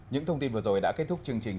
những thông tin vừa rồi đã kết thúc chương trình